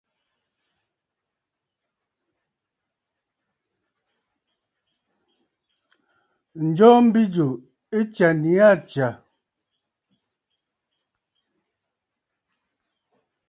Ǹjoo mbi jù ɨ tsyà nii aa tsyà.